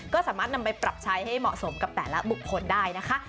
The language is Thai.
ก็สามารถนำไปปรับใช้ให้เหมาะสมกับแต่ละบุคคลได้นะคะ